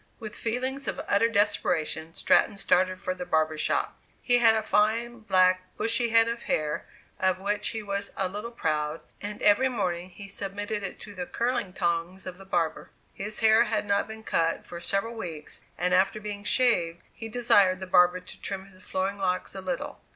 With feelings of utter desperation, Stratton started for a barber's shop. He had a fine, black, bushy head of hair, of which he was a little proud, and every morning he submitted it to the curling tongs of the barber. His hair had not been cut for several weeks, and after being shaved, he desired the barber to trim his flowing locks a little.